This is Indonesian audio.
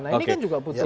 nah ini kan juga butuh